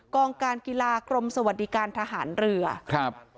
กองการกีฬากรมสวัสดิการทหารเรือครับ